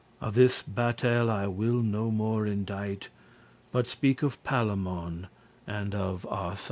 Of this bataille I will no more indite But speak of Palamon and of Arcite.